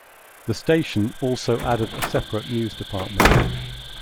The station also added a separate news department.